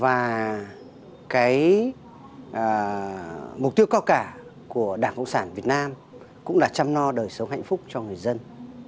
và cái mục tiêu cao cả của đảng cộng sản việt nam cũng là chăm no đời sống hạnh phúc cho người dân